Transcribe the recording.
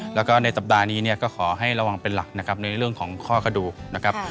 แล้วก็ในสัปดาห์นี้เนี่ยก็ขอให้ระวังเป็นหลักนะครับในเรื่องของข้อกระดูกนะครับ